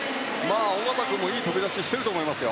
小方君もいい飛び出しをしていると思います。